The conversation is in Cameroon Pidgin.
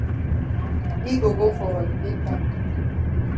Yi go go for holiday time.